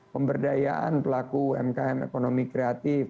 pemberdayaan pelaku umkm ekonomi kreatif